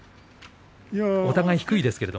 お互い低いですけど。